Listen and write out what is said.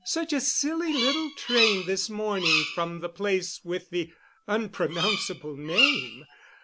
Such a silly little train this morning from the place with the unpronounceable name.